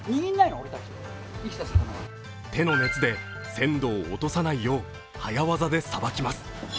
手の熱で鮮度を落とさないよう早業でさばきます。